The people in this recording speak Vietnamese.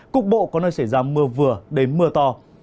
cục bộ có nơi xảy ra mưa vừa đến mưa to